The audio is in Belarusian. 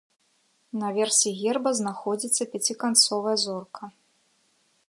Наверсе герба знаходзіцца пяціканцовая зорка.